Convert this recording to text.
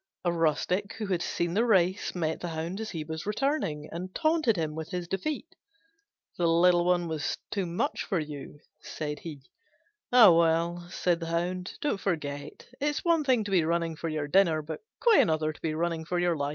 A rustic who had seen the race met the Hound as he was returning, and taunted him with his defeat. "The little one was too much for you," said he. "Ah, well," said the Hound, "don't forget it's one thing to be running for your dinner, but quite another to be running for your life."